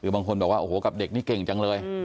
บางคนบอกว่ากับเด็กนี่เก่งจังเลย